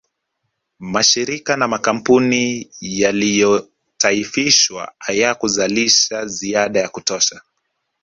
Mashirika na makampuni yaliyotaifishwa hayakuzalisha ziada ya kutosha